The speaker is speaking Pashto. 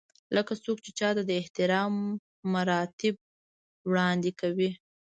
لکه څوک چې چاته د احترام مراتب وړاندې کوي.